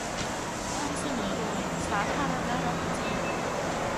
นำเสนอโดยสาธารณรัฐจีน